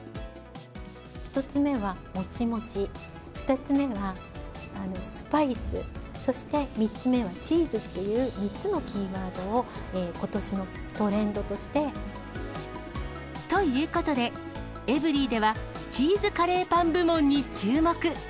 １つ目はもちもち、２つ目はスパイス、そして３つ目はチーズっていう３つのキーワードを、ことしのトレということで、エブリィではチーズカレーパン部門に注目。